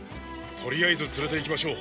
とりあえず連れて行きましょう。